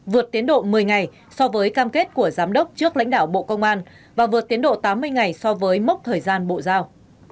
vượt tiến độ một mươi ngày so với cam kết của giám đốc trước lãnh đạo bộ công an và vượt tiến độ tám mươi ngày so với mốc thời gian bộ giao